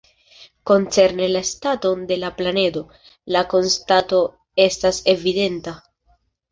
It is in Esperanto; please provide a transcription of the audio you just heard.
Koncerne la staton de la planedo, la konstato estas evidenta.